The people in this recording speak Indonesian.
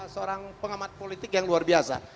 seorang pengamat politik yang luar biasa